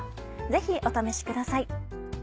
ぜひお試しください。